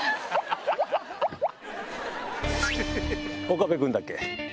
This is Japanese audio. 岡部君だっけ？